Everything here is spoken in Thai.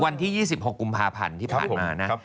วันที่๒๖กุมภาพันธ์ที่ผ่านมานะ